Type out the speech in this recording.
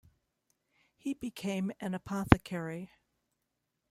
He became an apothecary.